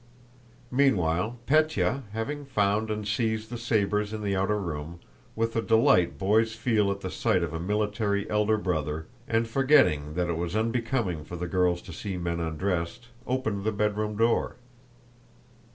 Meanwhile, Pétya, having found and seized the sabers in the outer room, with the delight boys feel at the sight of a military elder brother, and forgetting that it was unbecoming for the girls to see men undressed, opened the bedroom door.